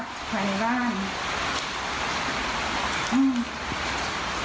ตอนนี้อาศัยอยู่บ้านลุงก่อนนะคะ